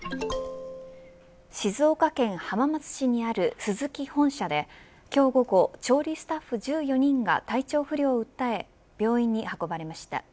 静岡県浜松市にあるスズキ本社で、今日午後調理スタッフ１４人が体調不良を訴え病院に運ばれました。